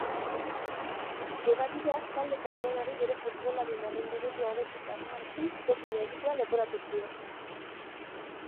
Hedabideak talde katalanari bere futbolarien errendimendua hobetzeko asmoarekin dopina egitea leporatu zion.